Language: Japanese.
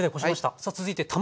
さあ続いて卵。